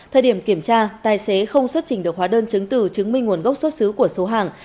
thời điểm kiểm tra tài xế không xuất trình được hóa đơn chứng từ chứng minh nguồn gốc xuất xứ của số hàng